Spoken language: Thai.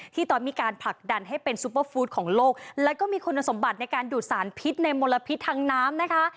ตอนมีการผลักดันให้เป็นซุปเปอร์ฟู้ดของโลกแล้วก็มีคุณสมบัติในการดูดสารพิษในมลพิษทางน้ำนะคะ